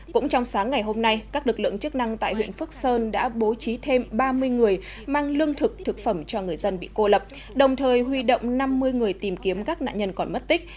cũng trong sáng ngày hôm nay các lực lượng chức năng tại huyện phước sơn đã bố trí thêm ba mươi người mang lương thực thực phẩm cho người dân bị cô lập đồng thời huy động năm mươi người tìm kiếm các nạn nhân còn mất tích